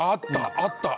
あった！